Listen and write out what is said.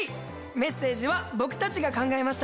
メッセージは僕たちが考えました。